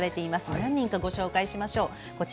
何人かご紹介しましょう。